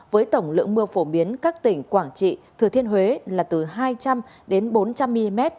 với tổng lượng mưa phổ biến các tỉnh quảng trị thừa thiên huế là từ hai trăm linh đến bốn trăm linh mm